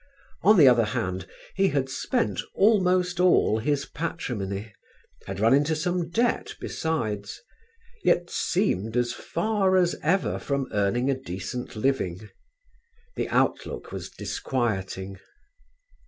On the other hand he had spent almost all his patrimony, had run into some debt besides; yet seemed as far as ever from earning a decent living. The outlook was disquieting.